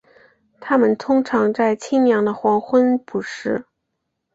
它们通常在清凉的黄昏捕食。